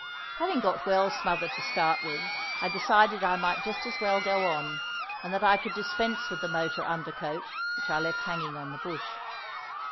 Having got well smothered to start with, I decided I might just as well go on; and that I could dispense with the motor undercoat, which I left hanging on the bush.